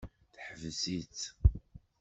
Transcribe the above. Teḥbes-itt.